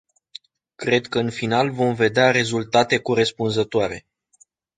Cred că în final vom vedea rezultate corespunzătoare.